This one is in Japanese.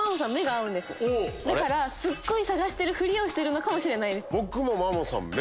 だからすごい探してるフリをしてるのかもしれない。